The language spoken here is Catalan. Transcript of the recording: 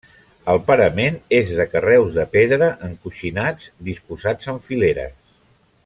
El parament és de carreus de pedra encoixinats disposats en fileres.